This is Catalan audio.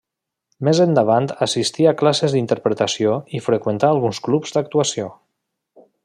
Més endavant assistí a classes d'interpretació i freqüentà alguns clubs d'actuació.